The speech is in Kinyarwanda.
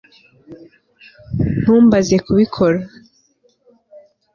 ntumbaze kubikora